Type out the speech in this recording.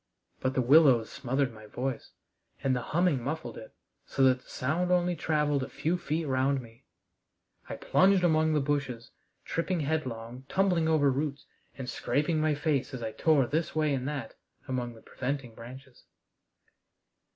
But the willows smothered my voice, and the humming muffled it, so that the sound only traveled a few feet round me. I plunged among the bushes, tripping headlong, tumbling over roots, and scraping my face as I tore this way and that among the preventing branches.